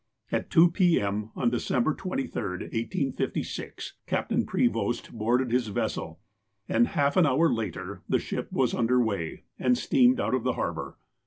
At 2 p. M. on December 23, 1856, Captain Prevost boarded his vessel, and, half an hour later, the ship was under way, and steamed out of the harbour.